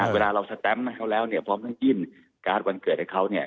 เวลาเราสแตมป์ให้เขาแล้วเนี่ยพร้อมทั้งยื่นการ์ดวันเกิดให้เขาเนี่ย